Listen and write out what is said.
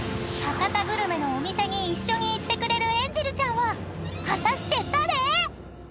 ［博多グルメのお店に一緒に行ってくれるエンジェルちゃんは果たして誰⁉］